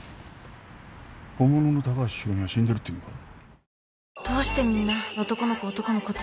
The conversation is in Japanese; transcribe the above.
本物の高橋博美は死んでるっていうのか？